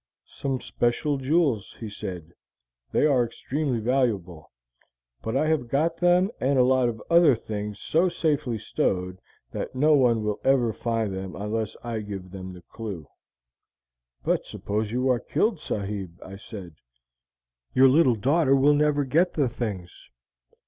'Some special jewels,' he said. 'They are extremely valuable. But I have got them and a lot of other things so safely stowed that no one will ever find them unless I give them the clew.' 'But suppose you are killed, sahib,' I said; 'your little daughter will never get the things.'